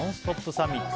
サミット。